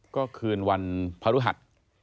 ก็คืนวันพระฤหัส